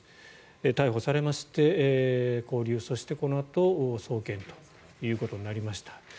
逮捕されまして拘留そしてこのあと送検ということになりました。